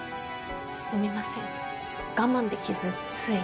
すみません我慢できずつい。